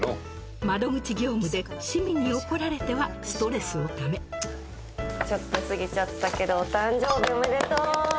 窓口業務で市民に怒られてはストレスをためちょっと過ぎちゃったけどお誕生日おめでとう！